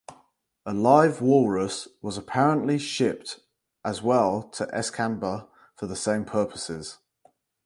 A live walrus was apparently shipped as well to Escanaba for the same purposes.